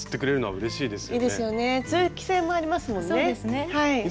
はい。